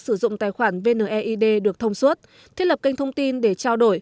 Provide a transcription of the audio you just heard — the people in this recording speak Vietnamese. sử dụng tài khoản vne id được thông suốt thiết lập kênh thông tin để trao đổi